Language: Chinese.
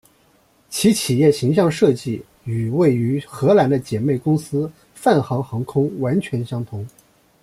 其企业形象设计与位于荷兰的姊妹公司泛航航空完全相同。